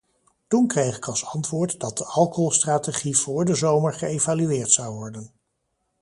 Toen kreeg ik als antwoord dat de alcoholstrategie voor de zomer geëvalueerd zou worden.